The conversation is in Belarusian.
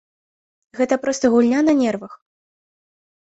Гэта проста гульня на нервах.